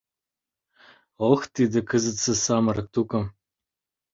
Ох, тиде кызытсе самырык тукым!..